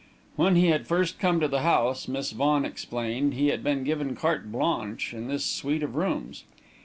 When he had first come to the house, Miss Vaughan explained, he had been given carte blanche in this suite of rooms.